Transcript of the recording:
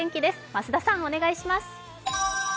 増田さんお願いします。